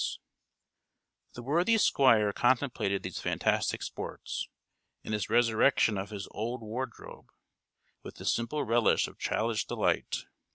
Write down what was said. The worthy Squire contemplated these fantastic sports, and this resurrection of his old wardrobe, with the simple relish of childish delight.